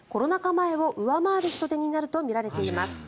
前を上回る人出になるとみられています。